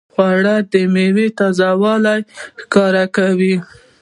خوړل د میوې تازهوالی ښکاره کوي